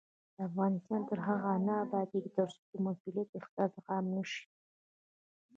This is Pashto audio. افغانستان تر هغو نه ابادیږي، ترڅو د مسؤلیت احساس عام نشي.